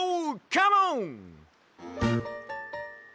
カモン！